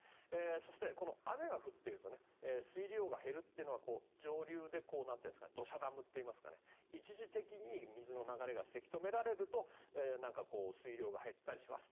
そして、雨が降っていると水量が減るというのは上流で土砂ダムといいますか一時的に水の流れがせき止められると水量が減ったりします。